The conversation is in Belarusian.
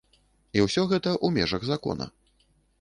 І усё гэта ў межах закона.